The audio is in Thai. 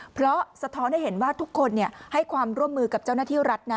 เพราะสะท้อนให้เห็นว่าทุกคนให้ความร่วมมือกับเจ้าหน้าที่รัฐนะ